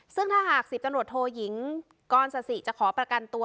ซึ่งถ้าหากศิษย์จำรวจโทยิงกรณศาสตร์สิจะขอประกันตัว